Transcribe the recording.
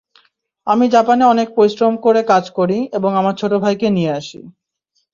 আমি জাপানে অনেক পরিশ্রম করে কাজ করি এবং আমার ছোটো ভাইকে নিয়ে আসি।